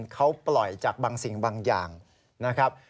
เขาปล่อยจากบางสิ่งบางอย่างนะครับ